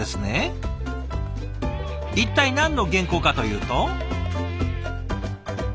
一体何の原稿かというと。